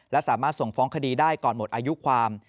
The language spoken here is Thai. และสามารถส่งฟ้องคดีได้ก่อนหมดอายุความ